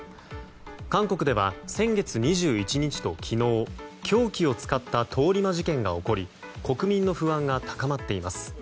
韓国では先月２１日と昨日凶器を使った通り魔事件が起こり国民の不安が高まっています。